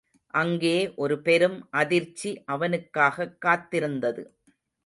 அங்கே ஒரு பெரும் அதிர்ச்சி அவனுக்காகக் காத்திருந்தது.